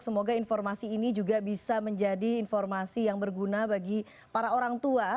semoga informasi ini juga bisa menjadi informasi yang berguna bagi para orang tua